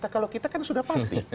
kalau kita kan sudah pasti